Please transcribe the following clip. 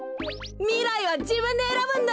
みらいはじぶんでえらぶんだ。